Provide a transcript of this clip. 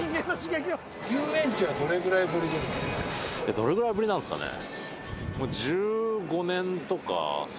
どれぐらいぶりなんすかね？